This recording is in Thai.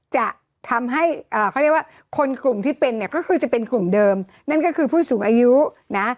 จะทำให้เขาเรียกว่าคนกลุ่มที่เป็นเนี่ยก็คือจะเป็นกลุ่มเดิมนั่นก็คือผู้สูงอายุนะ